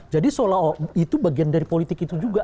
jadi seolah itu bagian dari politik itu juga